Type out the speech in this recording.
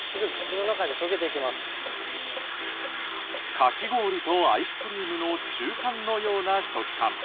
かき氷とアイスクリームの中間のような食感。